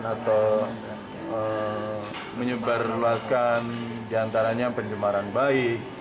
atau menyebar hoax an diantaranya penjemaran bayi